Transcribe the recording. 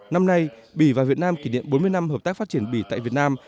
năm nay bỉ và việt nam kỷ niệm bốn mươi năm hợp tác phát triển bỉ tại việt nam